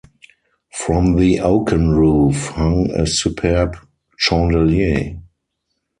From the oaken roof hung a superb chandelier.